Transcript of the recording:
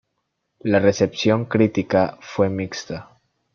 La recepción crítica fue mixta.